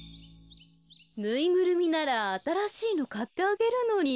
ぬいぐるみならあたらしいのかってあげるのに。